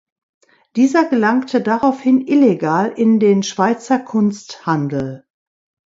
Dieser gelangte daraufhin illegal in den Schweizer Kunsthandel.